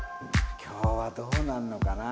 今日はどうなるのかな？